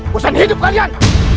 bersenam hidup kalian